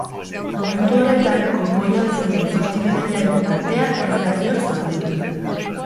Momentu horretan konboian zeuden zortzi bidaiarien artean ez da inor zauritu.